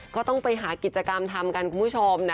ก็ต้องไปหากิจกรรมทำกันคุณผู้ชมนะ